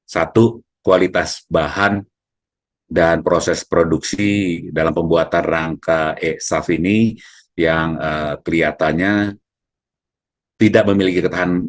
satu kualitas bahan dan proses produksi dalam pembuatan rangka e saf ini yang kelihatannya tidak memiliki ketahanan